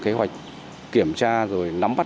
kế hoạch kiểm tra rồi nắm bắt